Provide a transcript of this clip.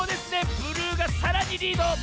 ブルーがさらにリード。